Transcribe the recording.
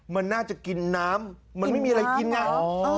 มันน่าจะกินน้ำมันไม่มีอะไรกินไง